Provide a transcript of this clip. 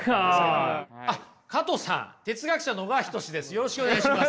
よろしくお願いします。